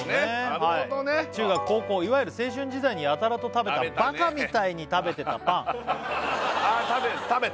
なるほどね中学高校いわゆる青春時代にやたらと食べたバカみたいに食べてたパンああ食べた！